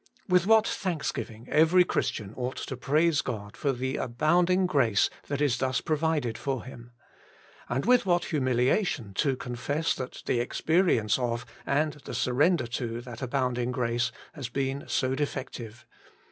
With what thanksgiving every Christian ought to praise God for the abounding grace that is thus provided for him. And with what humiliation to con fess that the experience of, and the sur render to, that abounding grace has been so defective.